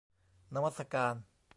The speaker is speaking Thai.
นมัสการ